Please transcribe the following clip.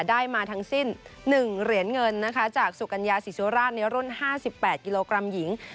ได้มาทั้งสิ้น๑เหรียญเงินนะคะจากสุกัญญาศรีสุราชในรุ่น๕๘กิโลกรัมหญิง